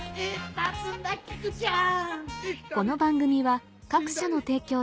立つんだ木久ちゃん！